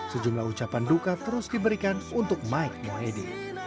sejumlah ucapan duka terus diberikan untuk mike mohede